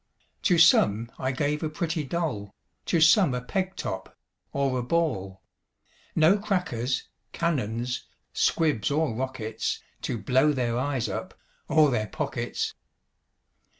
To some I gave a pretty doll, To some a peg top, or a ball; No crackers, cannons, squibs, or rockets, To blow their eyes up, or their pockets.